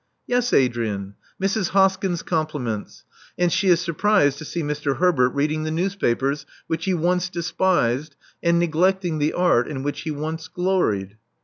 Yes, Adrian. Mrs. Hoskyn's compliments; and she is surprised to see Mr. Herbert reading the news papers which he once despised, and neglecting the art in which he once gloried."